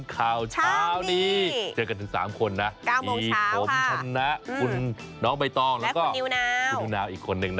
สวัสดีครับทุกคน